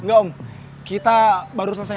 enggak om kita baru selesai